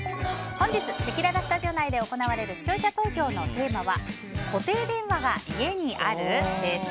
本日せきららスタジオ内で行われる視聴者投票のテーマは固定電話が家にある？です。